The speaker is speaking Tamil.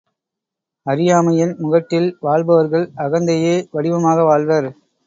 அறியாமையின் முகட்டில் வாழ்பவர்கள் அகந்தையே வடிவமாக வாழ்வர்.